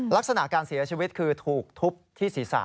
ลักษณะการเสียชีวิตคือถูกทุบที่ศีรษะ